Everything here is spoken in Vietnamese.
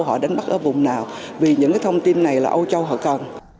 họ đánh bắt ở vùng nào vì những cái thông tin này là âu châu họ cần